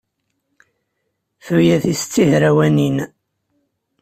Tuyat-is d tihrawanin.